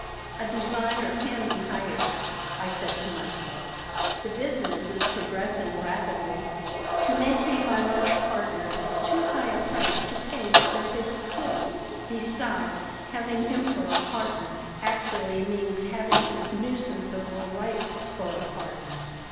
"A designer can be hired," I said to myself. "The business is progressing rapidly. To make him my life partner is too high a price to pay for his skill. Besides, having him for a partner actually means having his nuisance of a wife for a partner.